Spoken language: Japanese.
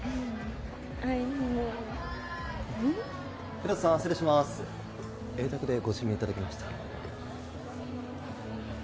アイミもヒロトさん失礼しますＡ卓でご指名いただきました